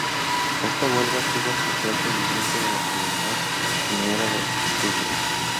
Esta huelga tuvo especial seguimiento en la comunidad minera de Asturias.